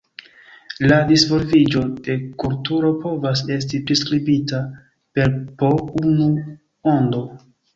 La disvolviĝo de kulturoj povas esti priskribita per po unu ondo.